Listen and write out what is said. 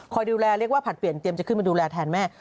ดูแลเรียกว่าผลัดเปลี่ยนเตรียมจะขึ้นมาดูแลแทนแม่